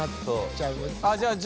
じゃあ樹